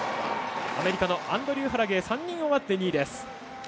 アメリカのアンドリュー・ハラゲイ３人終わって２位です。